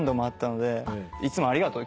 いつもありがとう。